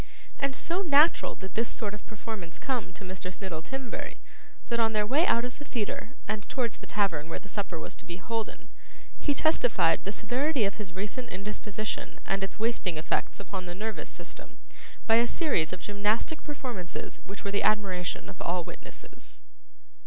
And so natural did this sort of performance come to Mr. Snittle Timberry, that on their way out of the theatre and towards the tavern where the supper was to be holden, he testified the severity of his recent indisposition and its wasting effects upon the nervous system, by a series of gymnastic performances which were the admiration of all witnesses.